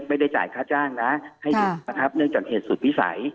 หรือถ้าท่านไม่แจ้งนั่นก็หมายถึงว่า